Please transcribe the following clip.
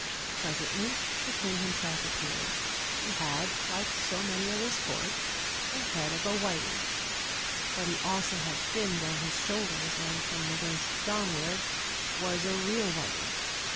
Presently, the king himself appeared: he had, like so many of his court, the head of a whiting; but he had also fins on his shoulders, and from the waist downward was a real whiting.